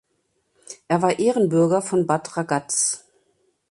Er war Ehrenbürger von Bad Ragaz.